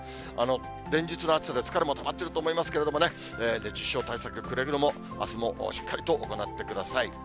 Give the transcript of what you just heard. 連日の暑さで疲れもたまっていると思いますけれどもね、熱中症対策、くれぐれもあすもしっかりと行ってください。